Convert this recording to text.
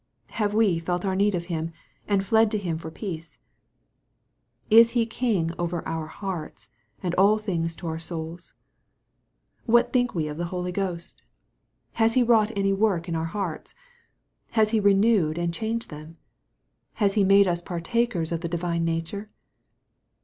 Have we felt our need of Him, and fled to Him for peace ? Is He king over our hearts, and all things to our souls "* What think we of the Holy Ghost ? Has 6 EXPOSITORY THOUGHTS. He wrought any work in our hearts ? Has He renewed, and changed them ? Has He made us partakers of the Divine nature